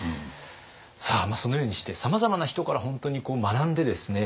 さあそのようにしてさまざまな人から本当に学んでですね